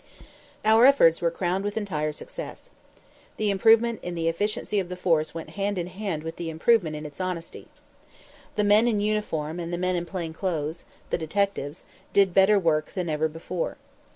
Our efforts were crowned with entire success. The improvement in the efficiency of the force went hand in hand with the improvement in its honesty. The men in uniform and the men in plain clothes the detectives did better work than ever before.